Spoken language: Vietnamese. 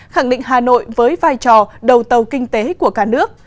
khẳng định hà nội với vai trò đầu tàu kinh tế của cả nước